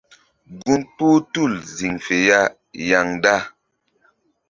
Gun kpuh tul ziŋ fe ya yaŋda.